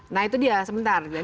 nah itu dia sebentar